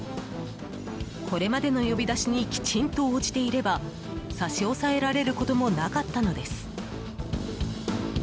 これまでの呼び出しにきちんと応じていれば差し押さえられることもなかったのです。